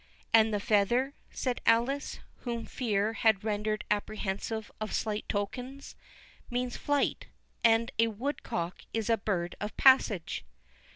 "And the feather," said Alice, whom fear had rendered apprehensive of slight tokens, "means flight—and a woodcock is a bird of passage."